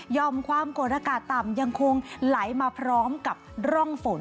ความกดอากาศต่ำยังคงไหลมาพร้อมกับร่องฝน